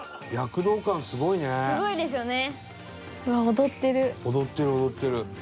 「踊ってる踊ってる！」